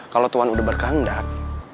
kalau tuhan udah berkandak